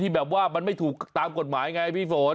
แบบว่ามันไม่ถูกตามกฎหมายไงพี่ฝน